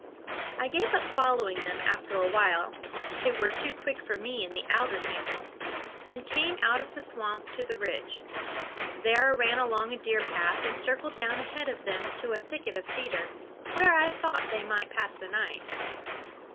I gave up following them after a while they were too quick for me in the alder tangle and came out of the swamp to the ridge. There I ran along a deer path and circled down ahead of them to a thicket of cedar, where I thought they might pass the night.